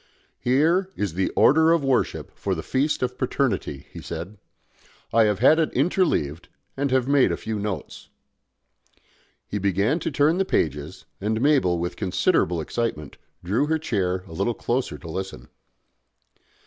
"Here is the Order of Worship for the Feast of Paternity," he said. "I have had it interleaved, and have made a few notes." He began to turn the pages, and Mabel, with considerable excitement, drew her chair a little closer to listen.